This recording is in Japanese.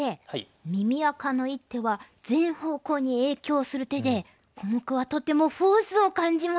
耳赤の一手は全方向に影響する手でコモクはとてもフォースを感じました。